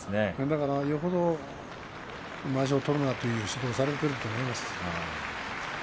よほどまわしを取るなという指導をされているなと思います。